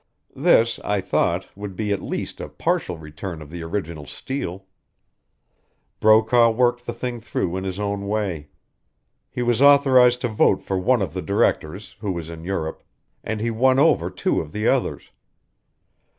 This, I thought, would be at least a partial return of the original steal. Brokaw worked the thing through in his own way. He was authorized to vote for one of the directors, who was in Europe, and he won over two of the others.